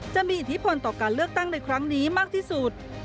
จะมีอิทธิพลต่อการเลือกตั้งในครั้งนี้มากที่สุด